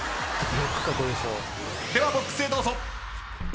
ではボックスへどうぞ。